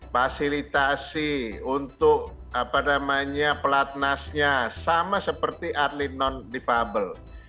fasilitasi untuk pelatnasnya sama seperti atlet non defable